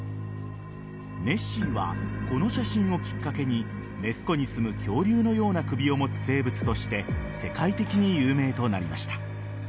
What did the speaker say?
ネッシーはこの写真をきっかけにネス湖にすむ恐竜のような首を持つ生物として世界的に有名となりました。